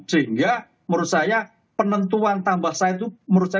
sehingga menurut saya penentuan tambah saya itu menurut saya